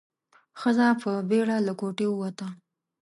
ښځه په بيړه له کوټې ووته.